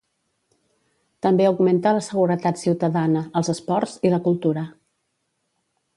També augmenta la seguretat ciutadana, els esports i la cultura.